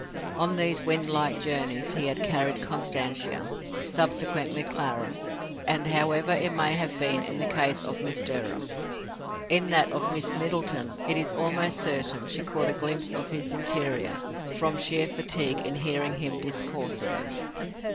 On these wind like journeys he had carried Constantia, subsequently Clara; and however it may have been in the case of Miss Durham, in that of Miss Middleton it is almost certain she caught a glimpse of his interior from sheer fatigue in hearing him discourse of it.